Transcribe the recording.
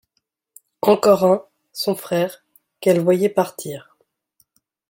Encore un, son frère, qu’elle voyait partir.